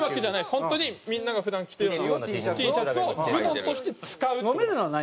本当にみんなが普段着てるＴシャツをズボンとして使うって。